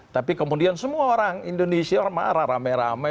tapi kemudian semua orang indonesia marah rame rame